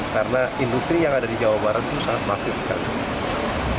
karena industri yang ada di jawa barat itu sangat masif sekarang